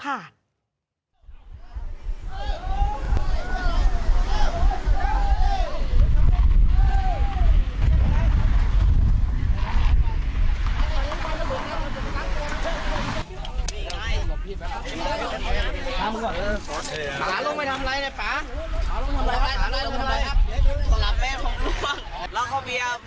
กระลับเมตรของล่วง